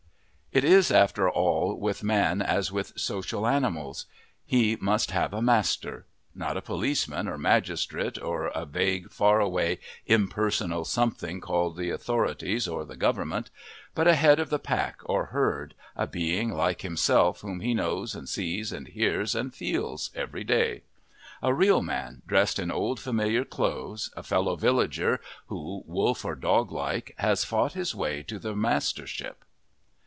It is after all with man as with the social animals: he must have a master not a policeman, or magistrate, or a vague, far away, impersonal something called the authorities or the government; but a head of the pack or herd, a being like himself whom he knows and sees and hears and feels every day. A real man, dressed in old familiar clothes, a fellow villager, who, wolf or dog like, has fought his way to the mastership.